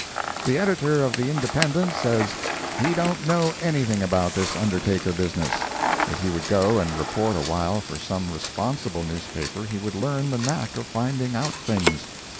The editor of the Independent says he don't know anything about this undertaker business. If he would go and report a while for some responsible newspaper, he would learn the knack of finding out things.